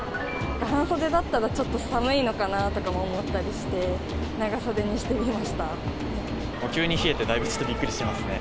半袖だったらちょっと寒いのかなとか思ったりして、長袖にし急に冷えて、だいぶびっくりしちゃってますね。